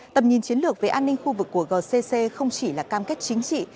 tầm nhìn chiến lược về an ninh khu vực của gcc không chỉ là cam kết chính trị